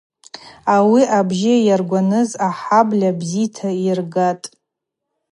Ауи абжьы йаргваныз ахӏабльаква бзита йыргӏатӏ.